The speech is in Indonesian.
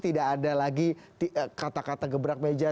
tidak ada lagi kata kata gebrak meja